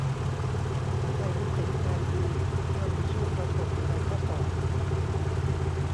ให้รู้สึกไงดี เมื่อมีชื่อปรากฎอยู่ในข้อสอบ